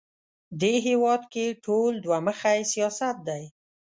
دې هېواد کې ټول دوه مخی سیاست دی